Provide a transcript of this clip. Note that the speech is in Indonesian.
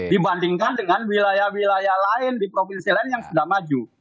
dibandingkan dengan wilayah wilayah lain di provinsi lain yang sudah maju